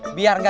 aku orang tidur